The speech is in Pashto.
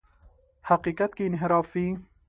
حقیقت کې انحراف وي.